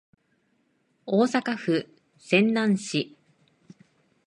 大阪府泉南市